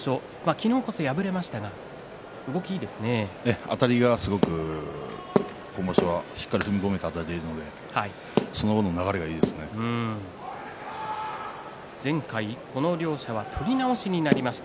昨日こそ敗れましたがあたりがすごく今場所はしっかり踏み込めてあたれているので前回この両者は取り直しになりました。